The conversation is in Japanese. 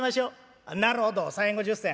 「なるほど３円５０銭。